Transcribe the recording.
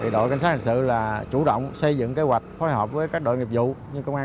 đội cảnh sát hành sự chủ động xây dựng kế hoạch phối hợp với các đội nghiệp vụ như công an